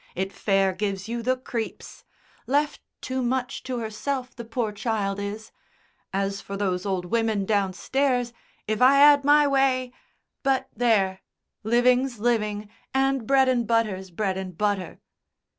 It fair gives you the creeps ... left too much to herself, the poor child is. As for those old women downstairs, if I 'ad my way but there! Living's living, and bread and butter's bread and butter!"